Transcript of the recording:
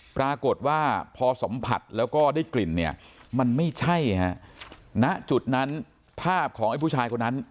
ปรากฏว่าพอสัมผัสแล้วก็ได้กลิ่นเนี่ยมันไม่ใช่ฮะณจุดนั้นภาพของไอ้ผู้ชายคนนั้น